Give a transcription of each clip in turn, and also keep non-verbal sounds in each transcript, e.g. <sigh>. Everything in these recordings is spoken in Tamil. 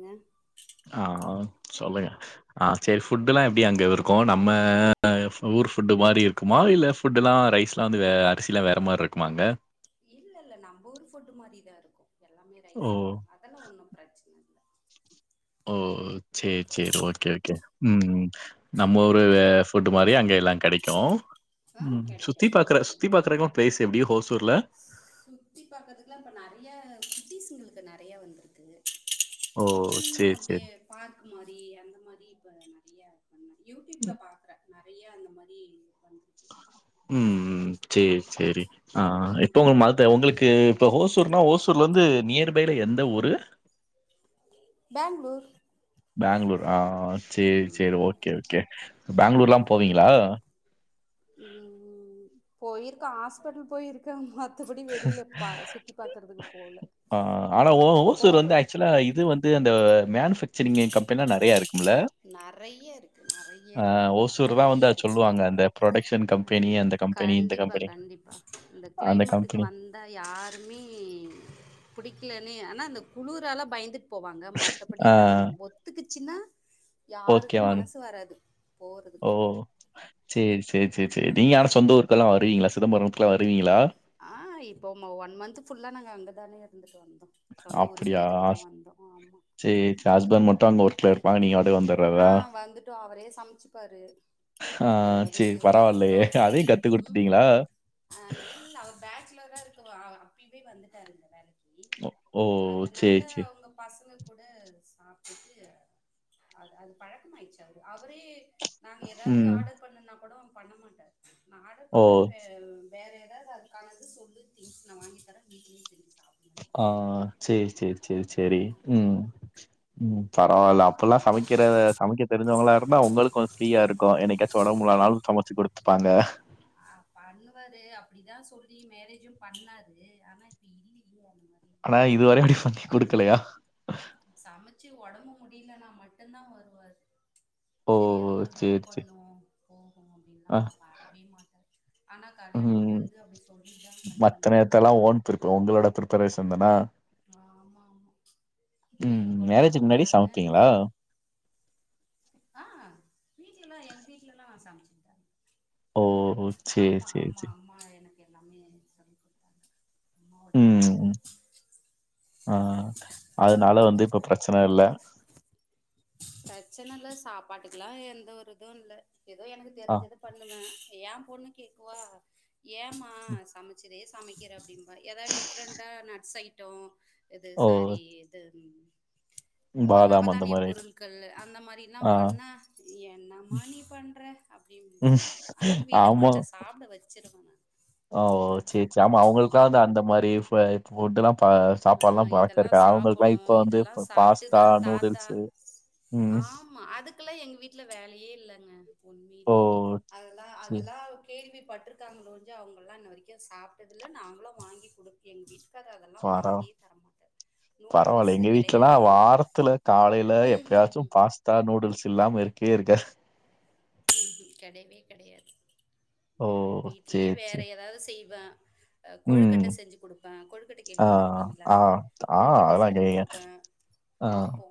ங்க அ ஆ சொல்லுங்க ஆ செரி ஃபுட்டு எல்லா எப்டி அங்க இருக்கும் நம்ம ஊர் ஃபுட்டு மாரி இருக்குமா இல்ல ஃபுட்டு எல்லா ரைஸ் எல்லா வந்து வே அரிசிலா வேற மாரி இருக்குமா அங்க இல்ல இல்ல நம்ப ஊர் ஃபுட்டு் மாதிரிதா இருக்கும் எல்லாமே ஓ! ரைஸ்லா அதெல்லா ஒன்னு பிரச்சன இல்ல ஓ செரி செரி ஓகே ஓகே ம் ம் நம்ம ஊரு ஃபுட்டு மாரி அங்க எல்லா கிடைக்கும் ஆ கிடைக்கு அதெல்லா ஒண்ண பிளேஸ் எப்டி ஹோசூர்ல? சுத்தி பாக்கறதுக்கல்லா இப்ப நறைய சுத்திஸ் உங்களுக்கு நெறைய வந்துருக்கு ஓ! ப்ப சும்மா சரி, சரி. அப்டியே பார்க் மாரி அந்த மாரி இப்ப இயா யூடியூப்ல பாக்கறன ந ஐயா அந்த மாரி வந்துருக்கு ம் செரி செரி அ இப்ப உங்க மதத்த உங்களுக்கு இப்ப ஓசூர்னா ஓசூர்லருந்து நியர்பைல எந்த ஊரு பேங்களூர் பேங்களூர்அ ஆ சேரி சேரி ஓக்கே ஓக்கே பேங்களூர்ல்லா போவீங்களா ம் ம் ம் போயிருக்க ஹாஸ்பிட்டல் போயிருக்க ம போல ஆ ஆனா ஓ ஓசூர் வந்து போக ஆக்சுவலா இது வந்து அந்த மேனு ஃபேக்சரிங் அ கம்பெனிலா நெறையா இருக்குமல்ல? நெறைய இருக்கு நெறைய இருக்கு ஓசூர் தான் நெறைய வந்து அத இருக்கு சொல்லுவாங்க. அந்த புரொடக்ஷன் கண் கம்பெனி, அந்த கம்பெனி, இந்த கண்டிப்பா கம்பெனி, கண்டிப்பா இந்த அந்த க்ளைமேட்டு க்கு கம்பெனி. வந்தா யாருமே புடி க்கலனு ஆனா அந்த குளுரால பயந்து போவாங்க மத்தபடின்னா ஒத்துக்குச்சின்னா ஓகேவான் ஓ போறதுக்கு சேரி சே சேரி சேரி சேரி நீங்க ஆனா சொந்த ஊருக்கெல்லா வருவீங்களா சிதம்பரத்துக்கலா வருவீங்களா? ஆ இப்போ ம ஒன் மன்த் ஃபுல்லா நாங்க அங்கதான இருந்துட்டு வந் அப்பிடியா ஸ் ஆமா சேரி சேரி ஹஸ்பண்ட் மட்டு அங்க ஒர்க்ல இருப்பாங்க நீங்க பாட்டுக்கு ஆ வந்தர்றதா? வந்துட்டோ அவரே சமைச்சுப்பாரு ஆ ஏதாவது சேரி பரவால்லயே தோச அதையு கத்து ம் குடுத்துட்டீங்களா? ஆ இல்ல பேச்சுலரா இருக்கும்போ ஆ அப்பயுமே வந்துட்டாரு இந்த வேலைக் ஒ ஓ சேரி சேரி பசங்க கூட சாப்ட்டுட்டு அது அது பழக்கமாயிடுச்சு அது அவரே நாங்க எதாவது ம். ஆடர் பண்ணுனா கூடோ பண்ண மாட்டாரு நா ஆடர் ஓ! பண்ற வே வேற எதா து அதுக்கான இது சொல்லு தி் நா வாங்கித் தரே வீட்லயே செஞ்சு சாப் ஆ சேரி சேரி செரி செரி ம் ம் பரவால்ல அப்பல்லா சமைக்கிற சமைக்க தெரிஞ்சவங்களா இருந்தா உங்களுக்கு கொஞ்ச ஃப்ரீயா இருக்கு என்னைக்காச்சு ஒடம்பு முடியலனாலு சமைச்சு குடுத்துப்பாங்க. ஆ பண்ணுவாரு அப்பிடிதா சொல்லி மேரேஜும் பண்ணாரு ஆனா இப்ப இல்லி <inaudible> ஆனா இதுவரையு அப்டி பண்ணி குடுக்கலயா? சமைச்சு ஒடம்பு முடியலனா மட்டுந்தா வருவாரு ஓ! செரி ஏதோ ஒரு சரி, ஹெல்ப் சரி. பண்ணுவோ போவோ அப்டின்ல்லா ஆ. வ வரவே மாட்டாரு ஆனா கல்யாணோ ம். பண்ணுனது அப்டி சொல்லிதா கல்யாணோ பண்ணாரு. ன்தானா? ஆமா ஆமா ம் நேத்து கூட மேரேஜுக்கு முன்னாடி பாருங்க சமைப்பீங்களா? ஆ வீட்லலாம் எங்க வீட்லலாம் நான் சமைச்சுக்கிட்டேன் ஓ! சரி, அம்மா சரி, அம்மா சரி. அம்மா எனக்கு எல்லாமே சொல்லிக் குடுத்தாங்க அம்மாவுடைய இது ம் ஆ அதனால வந்து இப்ப பிரச்சனை இல்ல. பிரச்சன இல்ல சாப் பாட்டுக்கல்லா எந்த ஒரு இதுவு இல்ல. எதோ எனக்கு ஆ. தெரிஞ்சத பண்ணுவே ஏன் பொண்ணு கேக்குவா ஏம்மா சமைச்சதே சமைக்கிற அப்டிம்பா. ஏதாவது டிஃப்ரெண்ட்டா நட்ஸ் ஐட்டோ இது ஓ! சாரி இது ம் அ பாதாம் அந்த நவதானிய மாரி ஐட்டம். பொருட்கள் அந்த மாரி எல்லா ஆ. பண்ணா என்னம்மா நீ பண்ற அப்டிம்பாங்க. ஆனா விடமாட்டே சாப்ட வச்சுருவ நானு. ஆ ஓ சேரி சேரி ஆமா அவங்களுக்கல்லா அந்த அந்த மாரி ஃப்ர ஃபுட்டல்லா ஆ இதெல்லா சாப்படணு இப்ப வந்து இதெல்லா ப பாஸ்தா, சாப்ட்டுதா தாத்தா நூடுல்ஸு ம். ஆமா அதுக்கெல்லா எங்க வீட்ல வேலையே இல்லங்க ஓ உண்மையிலயே அதெல்லா சரி அதெல்லா கேள்விப் பட்ருக்காங்கலொழிஞ்சு அவங்கல்லா இன்னவரைக்கு சாப்ட்டதில்ல நாங்களு வாங்கி குடு எங்க வீட்டுக்கார்ரு அதெல் பரவா பரவால்ல நூடுல்ஸு எங்க வீட்லல்லா கெடையாது எங் வாரத்துல காலைல ம்ஹூம் எப்பயாச்சு ம்ஹூம் பாஸ்தா, நூடுல்ஸ் இல்லாம இருக்கவே இருக்காது. ம்ஹும் கெடையவே கெடையாது. ஓ சரி வீட்லயே வேற சரி. ஏதாவது செய்வே அ ம். கொழுக்கட்டை செஞ்சு குடுப்பே. கொழுக்கட்டை ஆ கேள்விப்பட்ருக்கீங்களா? ஆ ஆ கொழுக்கட்டை அதெல்லாம் செஞ்சு கேக்குறீங்க. குடுப்பே. ஆ ஆப்போ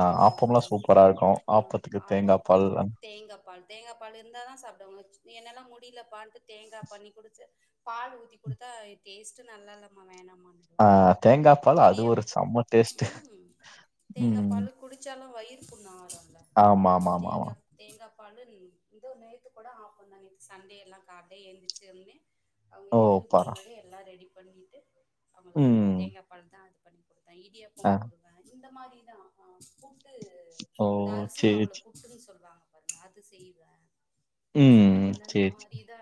ஆ ஆப்பம்லாம் சூப்பரா இருக்கும். ஆ ஆப்பத்துக்கு தேங்கா ஆப்பம் பால் தேங்காப் பால் தேங்காப் பாலு இருந்தாதா சாப்டுவாங்க ச் என்னால மு டியிலப்பான்ட்டு தேங்கா பண்ணி குடுத்து பால் ஊத்தி குடுத்தா இது டேஸ்ட்டு நல்லா இல்லம்மா வேணா ம்மான்னு ஆ சொல்வாங்க. தேங்கா பால் அது இடியாப் ஒரு செம்ம டேஸ்ட்டு. ம் தேங்காப் பாலு குடிச்சாலு அ வயிறு புண் ஆறு ஆமா ஆமா ஆமா ஆமா தேங்காப் பாலு ம் இந்த நேத்து கூட ஆப்பந்தாங்க நேத்து சண்டே எல்லா காலல ஏந்திருச்சதுமே அவங்க ஓ எழுந்திரதுக்கு பர முன்னாடி எல்லா ரெடி பண்ணிட்டு அவங்களுக்கு ம். தேங்கா பால்தா இந்த இடியாப்பம் ஆ. போடுவ இந்த மாரிதா <unintelligible> புட்டு ஓ! இந்த அரிசி சரி, மாவுள சரி. புட்டுன் சொல்வாங்க அது செய்வ ம். அந்தந்த சரி, சரி. மாரிதா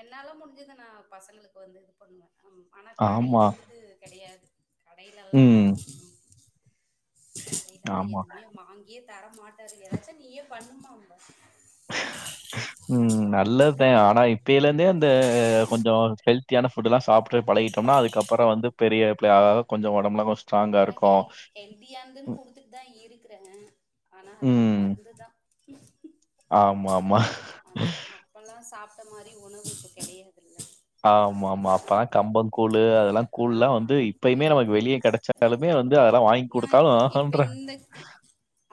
என்னால முடிஞ்சது நா பசங்களுக்கு வந்து இது பண்ணுவ ம் ஆனா கடைல ஆமா. இருந்துட்டு கெடையாது கடைல எல்லா ம். கடைலெல்லா ஆமா. எதுமே வாங்கியே தர மாட்டாது ஏதாச்சு நீ ஏ பண்ணுமா <inaudible> ம் நான் நல்லதே ஆனா இப்பெயலிருந்தே அந்த கொஞ்சோ ஸ்பெல் ஹெல்த்தியான ஃபுட்டெல்லா சாப்டு பழகிட்டம்னா அதுக்கப்புறோ வந்து பெரிய பிள்ளை ஆக ஆக கொஞ்சோ ஒடம்புல கொஞ்சோஷ் ஆனா ஹெல் ஹெல்தியானதும் குடுத்துட்டு தா இருக்கு இருக்குற ஆனா அதெல்லாம் ம். மருந்துதா <unintelligible> சாப்ட மாரி உணவு இப்ப கெடையாது ஆமா ஆமா அப்பதா கம்பங்கூழு அதெல்லா கூழ் எல்லா ஆமா வந்து இப்பயுமே ம் நமக்கு வெளிய கெடச்சாலுமே வந்து அதெல்லா வாங்கி நா குடுத்தாலு இப்ப இப்ப ஊவூன்றாங்க இந்த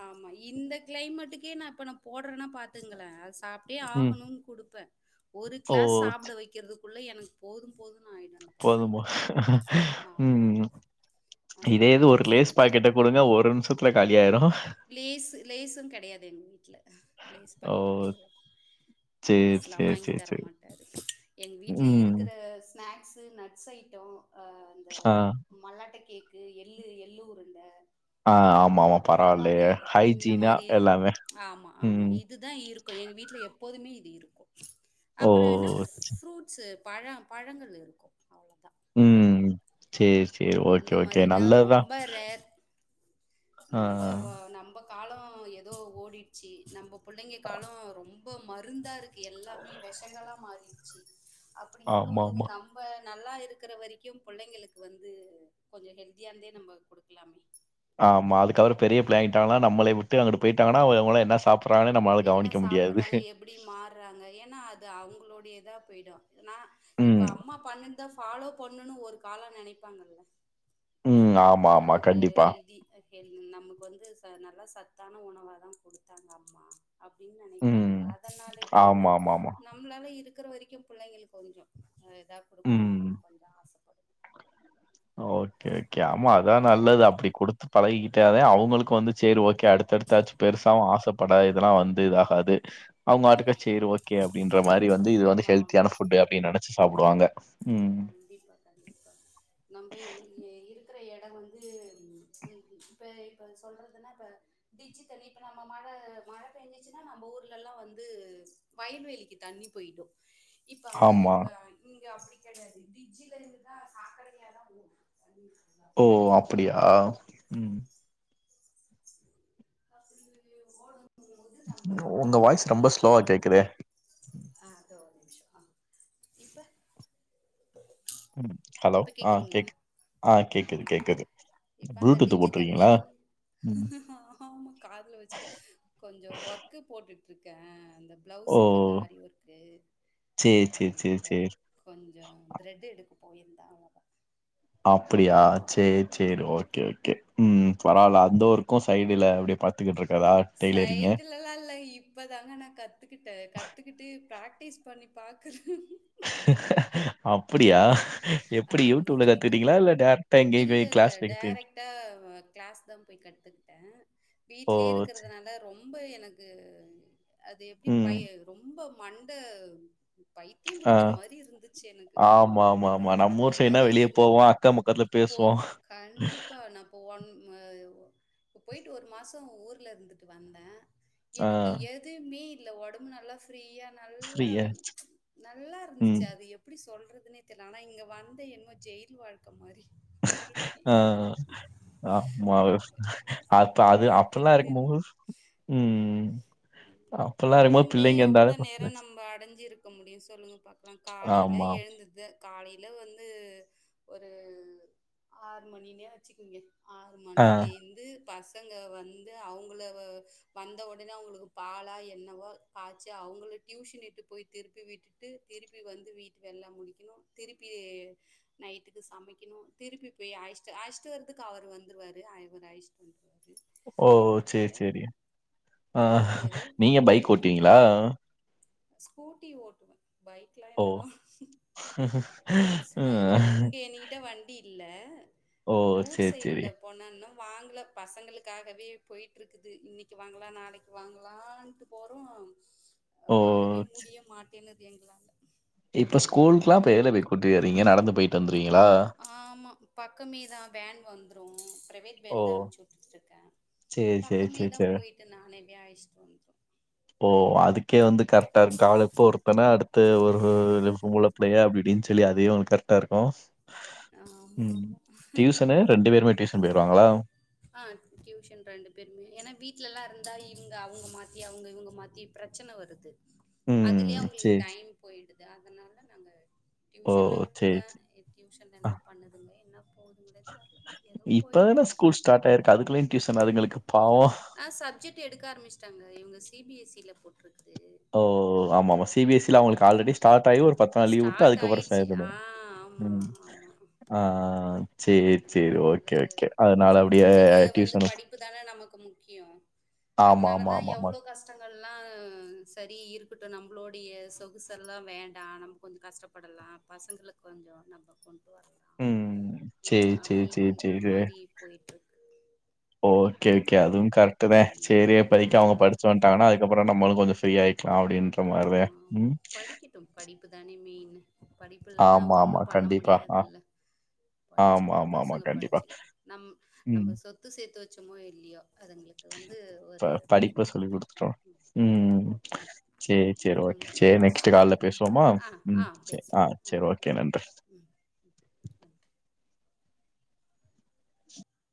ஆமா இந்த கிளைமேட்டுக்கே நா இப்ப நா போடுறன்னா பாத்துங்கள சாப் அப்டியே ம். ஆகணும்னு குடுப்ப ஒரு ஓ! கிளாஸ் சாப்ட வெக்கிறதுக் குள்ள எனக்கு போதும் போதும் போதும்போது ஆமா அந்த இதே இது மாரி ஒரு லேஸ் குடுத்து பாக்கெட்ட குடுங்க ஒரு நிம்ஷத்துல காலி ஆயிரு லேஸ் லேஸு கெடையாது எங்க வீட்ல ஓ சரி, லேஸ்லாம் சரி, வாங்கி சரி, தர சரி. மாட்டாரு எங் வீட்ல ம். இருக்குற ஸ்நே ஸ்நேக்ஸு நட்ஸ் ஐட்டோ அ அந்த ஆ, மல்லாட்ட கேக் க்கு எள்ளு எள்ளு உருண்ட ஆ ஆமா, ஆமா. இந்த பரவாயில்லையே. மாரி ஹைஜீனா இந்தமாரினு எல்லாமே. ஆமா ஆமா ம். இதுதா இருக்கு எங்க வீட்ல எப்ப போதுமே இது இருக்கு ஓ! அப்பறோ என்னா ஃப்ரூட்ஸு பழ பழங்களு இருக்கு அவ்ளதா உ செரி செரி ஓகே இந்த ஓகே மாரிலா நல்லதுதா ரொம்ப ரேர் ஆ ஆ நம்ப வ நம்ப காலோ ஏதோ ஓடிடுச்சு நம்ம பிள்ளைங்க காலோ ரொம்ப மருந்தா இருக்கு எல்லாமே விஷங்களா மாறிடுச்சு அப்டி இருக்கும்போது ஆமாமா. நம்ம நல்லா இருக்கிற வரைக்கு பிள்ளைங்களுக்கு வந்து து கொஞ்சோ ஹெல்தியானதே நம்ம குடுக்கலாமே ட்டு அங்குட்டு போயிட்டாங்கா <unintelligible> அவங்களா என்ன சாப் என்ன சாப்பிடுறாங்க எப்படி மாறுறாங்க ஏன்னா அது அவங்களுடையதா போயிடு னா இப்ப ம், அம்மா பன்னு ன ஃபாலோ பண்னனு ஒரு காலோ நெனைப்பாங்கல்ல உ ஆமாமா கண்டிப்பா என் நமக்கு வந்து நல்லா சத்தான உணவாதா குடுத்தாங்க அம்மா அப்டின்னு ம். நினைப்பாங்களா அதனாலவே ந ஆமாமாமா. நம்மளால இருக் இருக்கிற வரைக்கு பிள்ளைகளுக் கொஞ்சோ உ ஓகே ஓகே ஆமா அதா நல்லது அ அப்படி கொடுத்து பழகிக்கிட்டாதே அவங்களுக்கு வந்து செரி ஓக்கே அடுத்தடுத்தாச்சு பெருசாவு ஆசைப்படாது இதெலா வந்து இதாகாது ஆகாது அவுங்க ஆட்டுக்கா சேரி ஓகே அப்டின்ற மாரி வந்து இது வந்து ஆமா ஹெல்த்தியான ஃபுட்டு அப்டின்னு நெ சாப்டுவாங்க உ கண்டிப்பா கண்டிப்பா நம்ம இருக்கிற எடோ வந்து இப்ப இப்ப சொல்றதுன்னா இப்ப பிச்சு தண்ணி இப்ப நம்ம மழ மழ பெஞ்சிச்சுன்னா நம்ம ஊர்லலா வந்து வயல்வெளிக்கு தண்ணி போயிடு இப்ப அங்க ஆமா. இப்ப இங்க அப்டி <unintelligible> டிச்சில இருந்தா சாக்கட தண்ணியா தா போகு ஓ அப்டியா சாக்கட தண்ணி ஓடு ஒங்க வாய்ஸ் ரொம்ப ஸ்லோவா கேக்குதே ஆ இந்தா ஒரு நிமிஷோ ஆ இப்ப உ ஹலோ இப்ப ஆ கேக்குதுங்களா கேக்குது ஆ கேக்குது கேக்குது ப்ளூடூத்து போட்ருக்கீங்களா ஆமா ஆமா காதுல வச்சுட்டு கொஞ்சோ ஒர்க் போட்டு ட்ருக்கே அந்த ஓ! பிளவுசுக்கு இந்த ஆரி ஒர்க்கு சேரி, சேரி, சேரி, அதனால சேரி. கொஞ்சோ திரட் எடுக்கு போயிருந்தா அவன பாத்திருப்பே அப்படியா சேரி சேரி ஓகே ஓகே உ பராவால்ல அந்த ம் ஒர்க்கு சைடுல யே பாத்துக்கிட்ர சைடுலலா இல்ல இப்பதாங்க நா கத்துக்கிட்டே கத்துக்கிட்டு பிராக் டிஸ் பண்ணி பாக்குறே அப்படியா ஆ எப்படி ஆமா யூடியூப்ல சும்மா கத்துக்கிட்டீங்களா இல்ல டேரக்டா எங்கேயும் இல்ல போய் இல்ல கிளாஸ் போய் கத்துக்கிட் டைரக்டா கிளாஸ் தா போய் கத்துக்கிட்டே ஓ வீட்லயே சே இருக்கிறதுனால ரொம் ப எனக்கு அது எப்டி ம் பய ரொம்ப மண்ட பைத்தியோ ஆ பிடிக்கிற மாரி இருந்துச்சு எனக்கு ஆமா ஆமா ஆமா ஆ நம்ம ஊர் சைடுனா வெளிய போவோ அக்கோ பக்கத்துல போ பேசுவோ கண்டிப்பா நான் இப்போ ஒன் அ இப்ப போயிட்டு ஒரு மாசோ ஊர்ல இருந்துட்டு வந்தே ஆ எனக்கு எதுமே இல்ல ஒடம்பு நல்லா ஃப்ரீயா நல்லா ஃப்ரீயா நல்லா இருந்துச்சு ம் அது எப்டி சொல் க்கேரதுனே தெரில ஆனா இங்க வந்த என்னமோ ஜெயில் வாழ்க்க மாரி ஆ ஆ மா அப்ப பிடிக்க அது அப்பல்லா மாட்டேனுது இருக்கம்போது உ ரூம்லயே எவ்வளோ நேரோ நம்ம அடைஞ்சு இருக்க முடியு சொல்லுங்க பாக்கலா காலேல ஆமா எழுந்தது காலேல வந்து ஒரு ஆறு மணினே வச்சுக்கோங்க ஆறு ஆ மணில இருந்து பாஸ் ங்க வந்து அவுங்கள வந்த உடனே அவங்களுக்கு பாலா என்னவோ காய்ச்சு அவுங்கள டியூஷன் இட்டு போய் திருப்பி விட்டுட்டு திருப்பி வந்து வீட்ல எல்லா முடிக்கணு திருப்பி நைட்டுக்கு சமைக்கணு திருப்பி போய் அயிச்ச அயிச்சட்டு வரதுக்கு அவர் வந்துருவாரு ஆயிச்சட்டு வந்துருவாரு ஓ ஓ செர் செரி ஆ இங்கே ஏதோ நீங்க பைக் போயிட்டுருக்கு ஓட்டுவீங்ளா ஸ்கூட்டி ஓட்டுவ பைக் லா என்னலா சும்மா இ இ ம். இங்கே என்னிகிட்ட வண்டி இல்ல ஓ செர் செரி வாங்ல பசங்களுக்காகவே போய்ட்ருக்குது இன்னைக்கு வாங்லா நாளைக் வாங்லான்ட்டு போறோ அ ஓ! வாங்கவே முடிய மாட் என்னது எங்லால இப்ப ஸ்கூலுக்குலா இப்ப ஏதுல போய் கூட்டிவாறீங்க நடந்து போய்ட்டு வந்துருவீங் ஆமா பக்கமே தா வேன் வந்துரு பிரைவேட் ஓ! வேன் தா அம்ச்சுட்டுட்டு இருக்க சரி, சரி, பக்கமே சரி, தா சரி. போய்ட்டு நானே யாயிஸ்ட்டு வந்துரு ஓ அதுக்கே வந்து கரெக்டாரு ட்ராவலு இப்போ ஒருத்தனா அடுத்து ஒரு ரெம் பொம்பள பிள்ளைய அப்டி இப்டினு சொல்லி அதையும் உனக்கு கரெக்டாருக்கும் அ ஆமா ஆமா பேருமே டியூஷன் போயிருவாங்களா? ஆ டியூஷன் ரெண்டு பேருமே ஏனா வீட்லலாருந் தா இருந்தா அவுங்க மாத்தி அவுங்க இவுங்க மாத்தி பிரச்சன வருது ம். அதுலே அவுங்ளுக்கு சரி, சரி. டைம் போய்டுது இது அதனால நாங்க ஓ! டியூஷன்ல விட்ருக சரி, சரி. எப்டியு இன்னேன்ன பண்ணுதுங்க வேணப் இப்ப தான ஸ்கூல் ஸ்டாட் ஆயிருக்கு அதுக்குள்ளயு டியூசனா அதுங்களுக்கு பாவம். ஆ சப்ஜெட் எடுக்க ஆரமிச்டாங்க இவுங்க சி பி எஸ் சி ல போட் ருக்தே ஓ ஓ ஓ ஓ ஆமாமா சி பி எஸ் சி ல அவுங்ளுக்கு ஆல்ரெடி ஸ்டாட் தைவு ஒரு பத்து நாள் லீவ்வுட்டு ஸ்டார்ட் அதுக்கப்றோ ஆயிடுச்சு. ஆ செயல்படும் ஆமா, ம் ஆ ஆ ஆ சேரி வந்து செரி பிள்ளைங்க வந்து டியூஷனும் படிப்பு தான நமக்கு முக்கியோ ஆமா, அதனால ஆமா, தா ஆமாமா. எவ்ளோ கஷ்டங்கள் லா சரி இருக்கட்டு நம்மளுடைய சொகுசெல்லா வேண்டா நம்ம கொஞ்ச கஷ்டப்படலா பசங்களுக்கு கொஞ்ச நம்ம கொண்டு வரலாம் உ சேரி சேரி சேரி அப்படின்ற சேரி மாதிரி <unintelligible> போயிட்டுருக்கு ஓகே ஓகே அதுவு டுமே ம் சரிய இப்பதைக்கி அவங்க படிச்ச வன்ட்டாங்கனா அதுக்கப்பறோ நம்மளு கொஞ்சோ சய்யாய் அப்படின்ற மாரியே ஆமாம் உ படிக்கட்டும் படிப்பு தானே மெயின் படிப்பு இல்லைன்னா ஒண்ணு பண்ண முடியாது ஆ இல்ல ஆமா, படிச்சுக்கிட்டு ஆமா, ஆமா. பசங்க கண்டிப்பா. படிச்சுக்கிட்டு நம் ம். நம்ம சொத்து சேத்து வச் ச்சமோ இல்லையோ அதுங்களுக்கு வந்து ஒரு ப படிப்பு படிப்ப சொல்லி கொடுத்துடலாம் குடுத்துட்டோ ம் உ ஓகே சேரி சேரி ஓகே ம் சேரி நெக்ஸ்ட் சரி கால்ல பேசுவோமா ஆ உ ஆ சேரி ஆ பேசலாம் சரி ஓகே பாய் நன்றி ம் ம் நன்றி